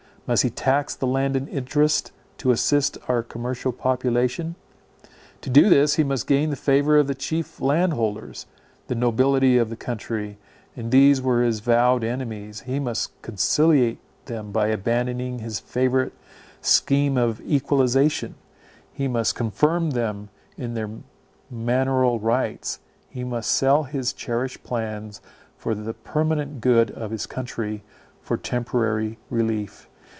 Must he tax the landed interest to assist our commercial population? To do this, he must gain the favour of the chief land holders, the nobility of the country; and these were his vowed enemies—he must conciliate them by abandoning his favourite scheme of equalization; he must confirm them in their manorial rights; he must sell his cherished plans for the permanent good of his country, for temporary relief.